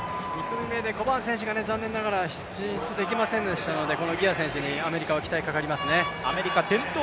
コバーン選手が残念ながら出場できませんでしたので、このギア選手にアメリカは期待かかりますね。